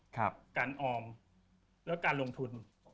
การออมแล้วการลงทุน